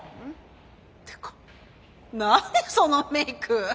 ってか何そのメイク。